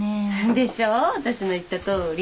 でしょーあたしの言ったとおり。